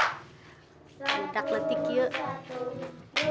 budak letik yuk